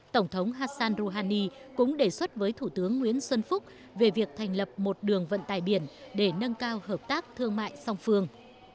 tổng thống hassan rouhani cũng đề xuất với thủ tướng nguyễn xuân phúc về việc thành lập một đường vận tải biển để nâng cao hợp tác thương mại song phương